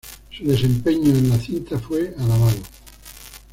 Su desempeño en la cinta fue alabado.